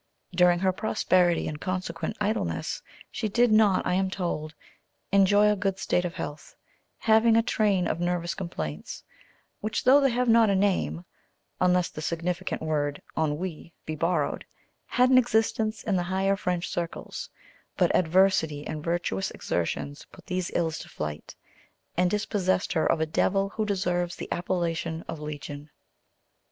During her prosperity, and consequent idleness, she did not, I am told, enjoy a good state of health, having a train of nervous complaints, which, though they have not a name, unless the significant word ennui be borrowed, had an existence in the higher French circles; but adversity and virtuous exertions put these ills to flight, and dispossessed her of a devil who deserves the appellation of legion.